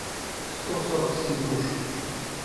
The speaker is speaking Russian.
сто сорок семь груш